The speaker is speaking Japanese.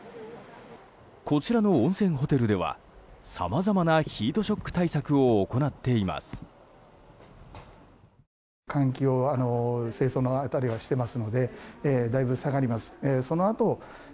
こちらの温泉ホテルではさまざまなヒートショック対策を行っています。